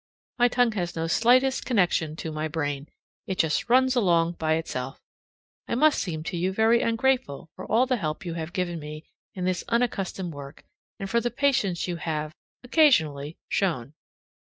My tongue has no slightest connection with my brain; it just runs along by itself. I must seem to you very ungrateful for all the help you have given me in this unaccustomed work and for the patience you have (occasionally) shown.